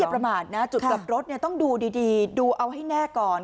ประมาทนะจุดกลับรถต้องดูดีดูเอาให้แน่ก่อน